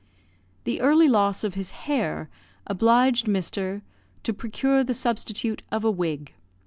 The early loss of his hair obliged Mr. to procure the substitute of a wig.